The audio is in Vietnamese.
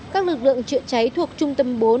các lực lượng trựa cháy thuộc trung tâm bốn